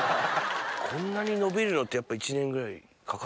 こんなに伸びるのってやっぱ１年ぐらいかかるんですか？